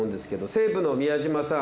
西武の宮島さん